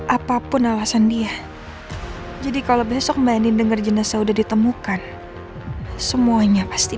apapun alasan dia jadi kalau besok mainin denger jenazah udah ditemukan semuanya pasti